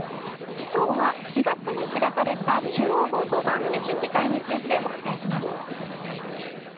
きょうは、４月に開かれた中央放送番組審議会についてお伝えします。